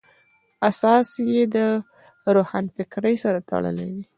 اساس یې له روښانفکرۍ سره تړلی وي.